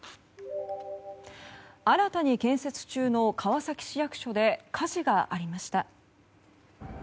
新たに建設中の川崎市役所で火事がありました。